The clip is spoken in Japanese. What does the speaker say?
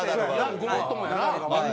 ごもっともやな。